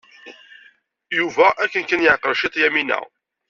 Yuba akken kan yeɛqel ciṭ Yamina.